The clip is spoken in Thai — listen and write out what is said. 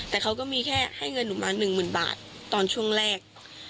แต่เขาก็มีแค่ให้เงินหนูมา๑๐๐๐บาทตอนช่วงแรก